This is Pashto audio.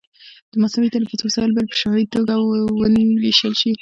د مصنوعي تنفس وسایل باید په شفافي توګه وویشل شي.